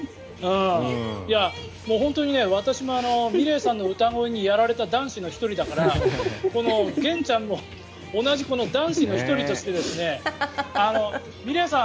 本当に私もｍｉｌｅｔさんの歌声にやられた男子の１人だからこの玄ちゃんも同じ男子の１人としてｍｉｌｅｔさん